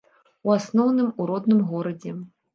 У асноўным, у родным горадзе.